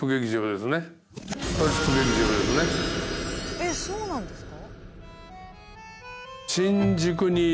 えっそうなんですか？